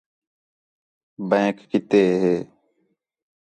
بینک کِتے ہے؟